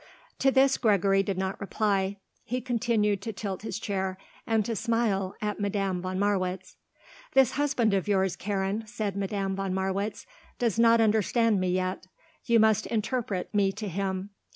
To this Gregory did not reply. He continued to tilt his chair and to smile at Madame von Marwitz. "This husband of yours, Karen," said Madame von Marwitz, "does not understand me yet. You must interpret me to him.